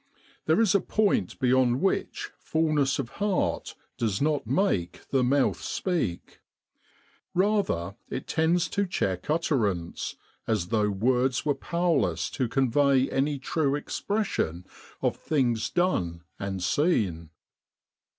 There is a point beyond which fullness of heart does not make the mouth speak : rather it tends to check utterance, as though words were powerless to convey any true expression of things done and seen.